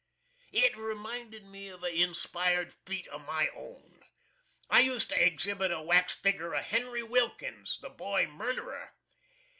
It reminded me of a inspired feet of my own. I used to exhibit a wax figger of HENRY WILKINS, the Boy Murderer.